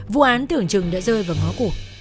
vụ án thưởng trừng đã rơi vào ngó cổ